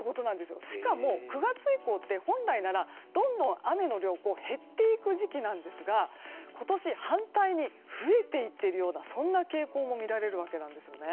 しかも９月以降って本来ならどんどん雨の量が減っていく時期なんですが今年は反対に増えていっているような傾向も見られるわけなんです。